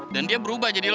dan dia berubah jadi lo